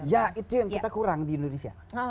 ya itu yang kita kurang di indonesia